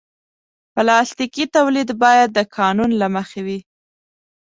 پلاستيکي تولید باید د قانون له مخې وي.